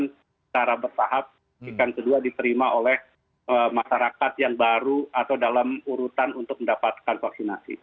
dan secara berpaham ikan kedua diterima oleh masyarakat yang baru atau dalam urutan untuk mendapatkan vaksinasi